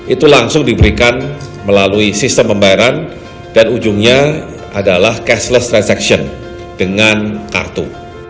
itu langsung diberikan melalui sistem pembayaran dan ujungnya adalah cashless resection dengan kartu